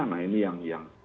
nah ini yang